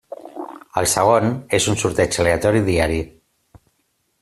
El segon és un sorteig aleatori diari.